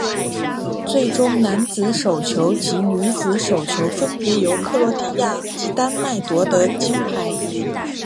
最终男子手球及女子手球分别由克罗地亚及丹麦夺得金牌。